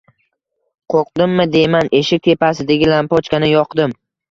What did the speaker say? Qo‘rqdimmi deyman, eshik tepasidagi lampochkani yoqdim.